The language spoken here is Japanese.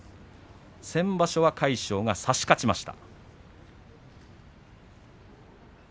先場所は魁勝が差し勝ちました。